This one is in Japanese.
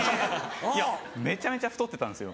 めちゃめちゃ太ってたんですよ。